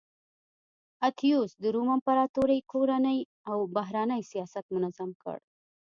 اتیوس د روم امپراتورۍ کورنی او بهرنی سیاست منظم کړ